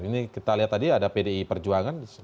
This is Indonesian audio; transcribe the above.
ini kita lihat tadi ada pdi perjuangan